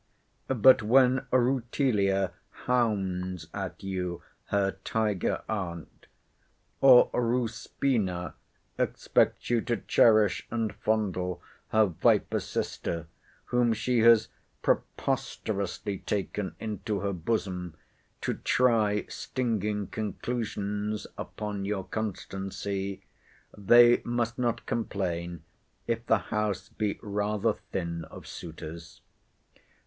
But when Rutilia hounds at you her tiger aunt; or Ruspina expects you to cherish and fondle her viper sister, whom she has preposterously taken into her bosom, to try stinging conclusions upon your constancy; they must not complain if the house be rather thin of suitors.